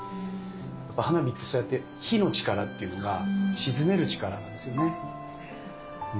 やっぱ花火ってそうやって火の力っていうのが鎮める力なんですよね。